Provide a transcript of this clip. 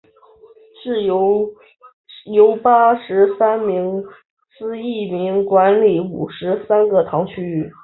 由八十三名司铎名管理五十三个堂区。